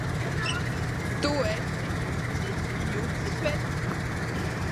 Tu esi jucis! Jucis, vecīt!